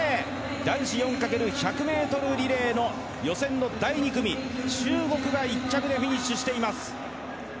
男子４×１００ｍリレーの予選の第２組は中国が１着でフィニッシュしています。